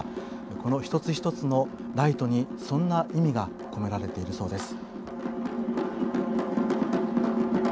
この一つ一つのライトにそんな意味が込められているそうです。